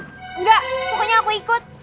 enggak pokoknya aku ikut